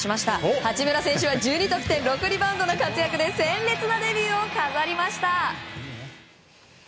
八村選手は１２得点６リバウンドの活躍で鮮烈なデビューを飾りました。